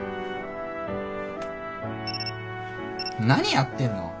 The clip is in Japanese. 何やってんの？